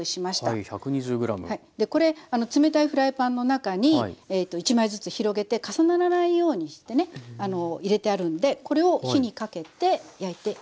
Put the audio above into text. これ冷たいフライパンの中に１枚ずつ広げて重ならないようにしてね入れてあるんでこれを火にかけて焼いていきます。